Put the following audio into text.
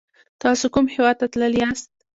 تاسو کوم هیواد ته تللی یاست؟